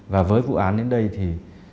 và với vụ án đến đây thì